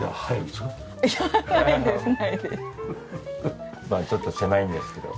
まあちょっと狭いんですけど。